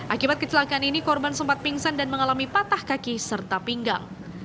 akibat kecelakaan ini korban sempat pingsan dan mengalami patah kaki serta pinggang